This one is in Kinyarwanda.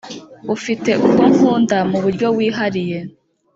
ufite uko nkunda mu uburyo wihariye